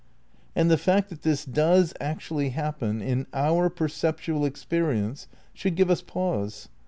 And the fact that this does actually happen in our percepttoal experience should give us pause.